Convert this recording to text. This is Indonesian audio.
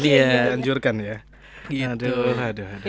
iya tidak dianjurkan ya